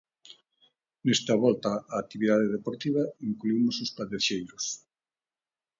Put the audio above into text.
Nesta volta á actividade deportiva, incluímos os padexeiros.